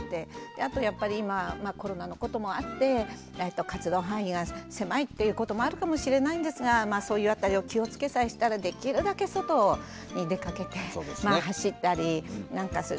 あとやっぱり今コロナのこともあって活動範囲が狭いっていうこともあるかもしれないんですがまあそういう辺りを気をつけさえしたらできるだけ外に出かけて走ったりなんかする。